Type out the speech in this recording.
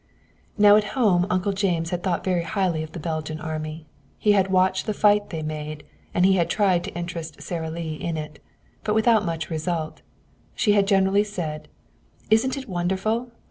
Now at home Uncle James had thought very highly of the Belgian Army. He had watched the fight they made, and he had tried to interest Sara Lee in it. But without much result. She had generally said: "Isn't it wonderful!"